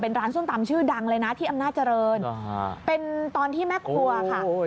ร้านส้มตำชื่อดังเลยนะที่อำนาจเจริญเป็นตอนที่แม่ครัวค่ะ